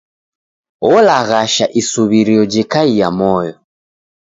Olaghasha isuw'irio jekaia moyo.